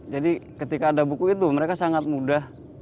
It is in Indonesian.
jadi ketika ada buku itu mereka sangat mudah